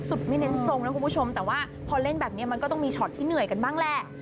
ไม่เน้นทรงนะคุณผู้ชมแต่ว่าพอเล่นแบบนี้มันก็ต้องมีช็อตที่เหนื่อยกันบ้างแหละ